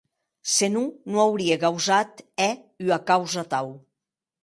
Se non, non aurie gausat hèr ua causa atau.